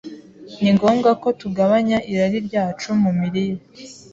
ni ngombwa ko tugabanya irari ryacu mu mirire,